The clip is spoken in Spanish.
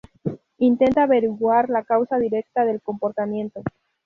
Intenta averiguar la causa directa del comportamiento.